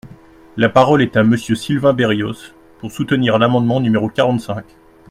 La parole est à Monsieur Sylvain Berrios, pour soutenir l’amendement numéro quarante-cinq.